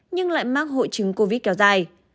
nhưng lại mắc hội chứng covid kéo dài